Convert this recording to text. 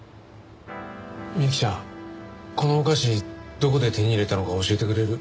美幸ちゃんこのお菓子どこで手に入れたのか教えてくれる？